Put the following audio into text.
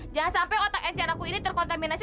jangan sampai otak ncr aku ini terkontaminasi